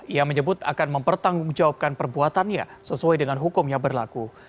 ia menyebut akan mempertanggungjawabkan perbuatannya sesuai dengan hukum yang berlaku